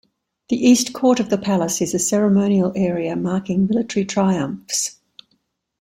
The east court of the palace is a ceremonial area marking military triumphs.